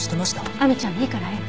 亜美ちゃんいいから早く。